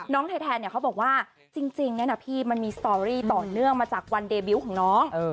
น้องไทยแทนเขาบอกว่าจริงนะพี่มันมีสตอร์รี่ต่อเนื่องมาจากวันเดบิวต์ของน้อง